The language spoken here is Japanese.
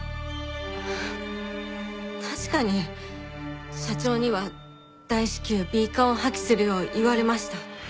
確かに社長には大至急Ｂ勘を破棄するよう言われました。